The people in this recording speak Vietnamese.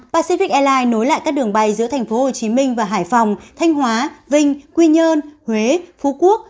pacific airlines nối lại các đường bay giữa tp hcm và hải phòng thanh hóa vinh quy nhơn huế phú quốc